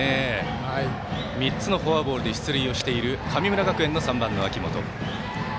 ３つのフォアボールで出塁をしている神村学園の３番の秋元。